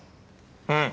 うん。